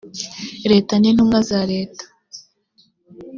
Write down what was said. leta n intumwa za leta